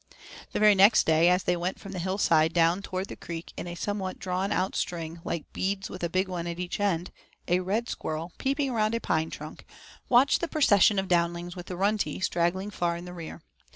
The very next day, as they went from the hill side down toward the creek in a somewhat drawn out string, like beads with a big one at each end, a red squirrel, peeping around a pine trunk, watched the procession of downlings with the Runtie straggling far in the rear.